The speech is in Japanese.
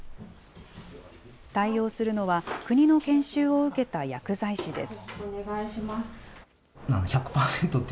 対応するのは、国の研修を受けた薬剤師です。